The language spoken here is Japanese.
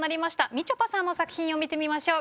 みちょぱさんの作品を見てみましょう。